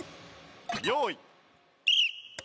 用意。